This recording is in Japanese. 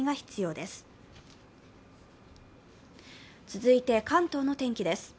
続いて関東の天気です。